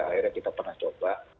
akhirnya kita pernah coba